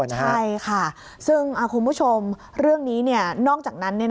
ใช่ค่ะซึ่งคุณผู้ชมเรื่องนี้นอกจากนั้น